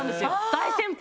大先輩。